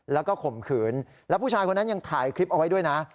แล้วก็ข่มขืนแล้วผู้ชายคนนั้นยังถ่ายคลิปเอาไว้ด้วยนะ